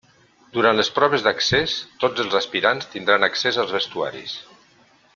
Durant les proves d'accés tots els aspirants tindran accés als vestuaris.